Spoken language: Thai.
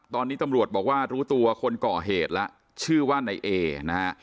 ตอนนี้ตำรวจบอกว่ารู้ตัวคนก่อเหตุแล้วชื่อว่านายเอนะฮะ